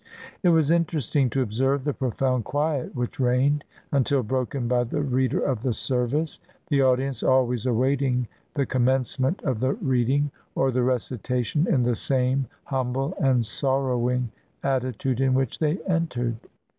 It was interesting to observe the profound quiet which reigned, until broken by the reader of the service; the audience always awaiting the commencement of the reading or the recitation in the same humble and sorrowing atti tude in which they entered.